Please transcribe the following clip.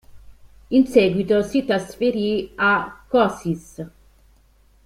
In seguito si trasferì a Košice.